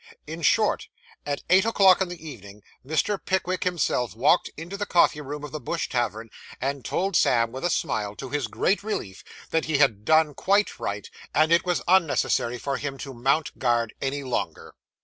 In short, at eight o'clock in the evening, Mr. Pickwick himself walked into the coffee room of the Bush Tavern, and told Sam with a smile, to his very great relief, that he had done quite right, and it was unnecessary for him to mount guard any longer.